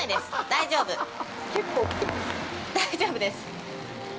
大丈夫です！